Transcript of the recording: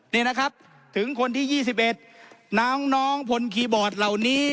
นี่นะครับถึงคนที่ยี่สิบเอ็ดน้องน้องพลคีย์บอร์ดเหล่านี้